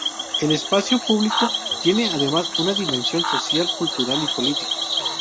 El espacio público tiene además una dimensión social, cultural y política.